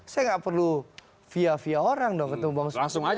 saya nggak perlu via via orang dong ketemu bang susi